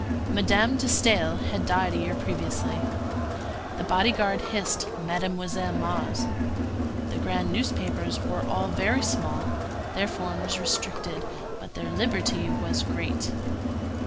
Madame de Staël had died a year previously. The body guard hissed Mademoiselle Mars. The grand newspapers were all very small. Their form was restricted, but their liberty was great.